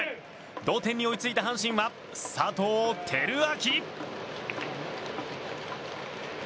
同点に追いついた阪神は佐藤輝明。